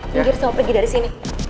segera sob pergi dari sini